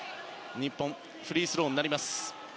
日本、フリースローになります。